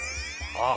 あっ！